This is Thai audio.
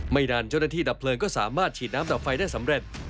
นานเจ้าหน้าที่ดับเพลิงก็สามารถฉีดน้ำดับไฟได้สำเร็จ